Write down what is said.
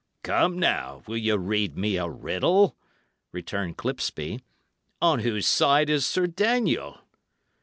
"Come, now, will ye read me a riddle?" returned Clipsby. "On whose side is Sir Daniel?"